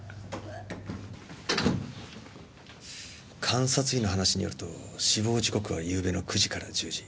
監察医の話によると死亡時刻は昨夜の９時から１０時。